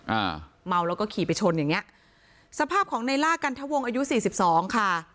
อ่าเมาแล้วก็ขี่ไปชนอย่างเงี้ยสภาพของในล่ากันทะวงอายุสี่สิบสองค่ะ